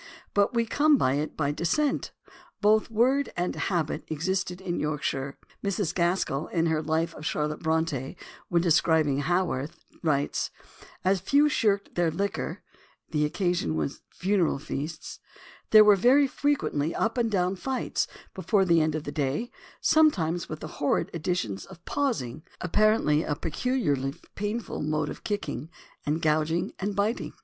But we came by it by descent. Both word and habit existed in York shire. Mrs. Gaskell, in her Life of Charlotte Bronte, THE ORIGIN OF CERTAIN AMERICANISMS 267 when describing Haworth (p. 26, Harper edition) writes: "As few 'shirked their liquor' [the occasion was funeral feasts] there were very frequently ' up and down fights' before the end of the day; sometimes with the horrid additions of 'pawsing' [apparently a pecul iarly painful mode of kicking] and 'gouging' and bit ing."